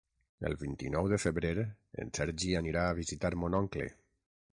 El vint-i-nou de febrer en Sergi anirà a visitar mon oncle.